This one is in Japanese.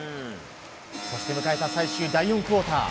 そして迎えた最終第４クオーター。